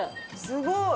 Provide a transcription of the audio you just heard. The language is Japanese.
すごい！